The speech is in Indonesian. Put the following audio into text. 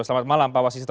selamat malam pak wasisto